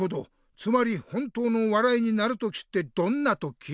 つまり本当の笑いになる時ってどんな時？